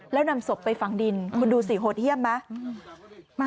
แล้วนำศพไปฝังดินคุณดูสิโหดเยี่ยมไหม